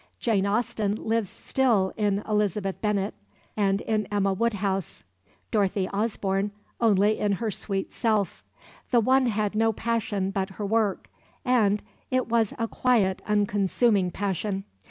Jane Austen lives still in Elizabeth Bennet and in Emma Woodhouse; Dorothy Osborne only in her sweet self. The one had no passion but her work and it was a quiet, unconsuming passion.